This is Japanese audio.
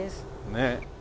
ねえ。